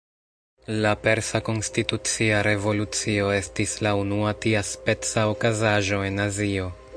La Persa Konstitucia Revolucio estis la unua tiaspeca okazaĵo en Azio.